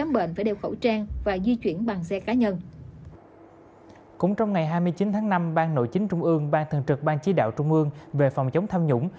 ban nội chính trung ương ban thường trực ban chí đạo trung ương về phòng chống tham nhũng